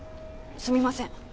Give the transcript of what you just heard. すみません